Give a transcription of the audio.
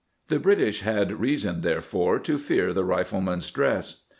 ^ The British had reason, therefore, to fear the rifleman's dress.